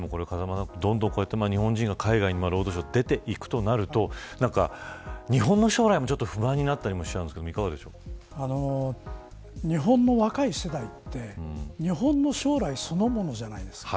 日本人がどんどん海外に出ていくとなると日本の将来もちょっと不安になったりもするんですが日本の若い世代って日本の将来そのものじゃないですか。